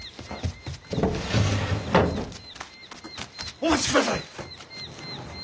お待ちください！